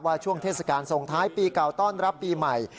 ช่วงเทศกาลส่งท้ายปีเก่าต้อนรับปีใหม่